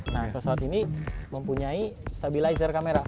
nah pesawat ini mempunyai stabilizer kamera